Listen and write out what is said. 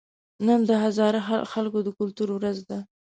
نن د هزاره خلکو د کلتور ورځ ده